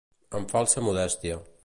Amb falsa modèstia.